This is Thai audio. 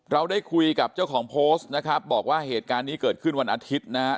เราได้คุยกับเจ้าของโพสต์นะครับบอกว่าเหตุการณ์นี้เกิดขึ้นวันอาทิตย์นะฮะ